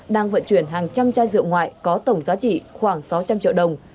đang vận chuyển hàng trăm chai rượu ngoại có tổng giá trị khoảng sáu trăm linh triệu đồng